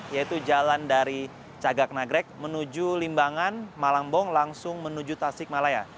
yaitu jalan dari cagak nagrek menuju limbangan malangbong langsung menuju tasik malaya